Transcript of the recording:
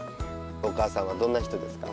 お母さんはどんな人ですか？